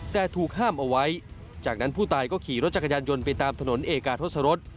แต่ถูกห้ามเอาไว้จากนั้นผู้ตายก็ขี่รถจักรยานยนต์ไปตามถนนเอกาทศรษ